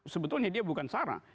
sebenarnya dia bukan sarah